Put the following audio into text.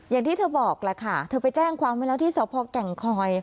อย่างที่เธอบอกล่ะค่ะเธอไปแจ้งความเป็นอะไรที่สพแก่งคอย